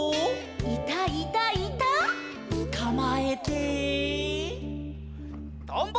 「いたいたいた」「つかまえて」「とんぼ！」